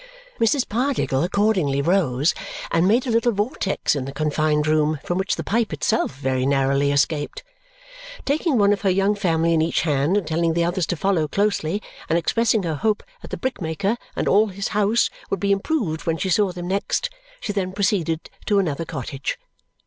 Mrs. Pardiggle accordingly rose and made a little vortex in the confined room from which the pipe itself very narrowly escaped. Taking one of her young family in each hand, and telling the others to follow closely, and expressing her hope that the brickmaker and all his house would be improved when she saw them next, she then proceeded to another cottage.